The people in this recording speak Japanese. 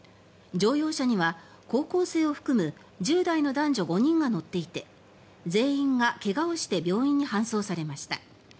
乗用車には高校生を含む１０代の男女５人が乗っていて全員が怪我をして病院に搬送されました。